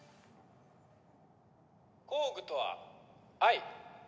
工具とは愛。